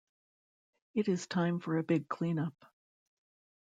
It is time for a big clean-up.